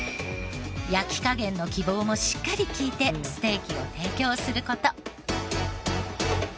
焼き加減の希望もしっかり聞いてステーキを提供する事。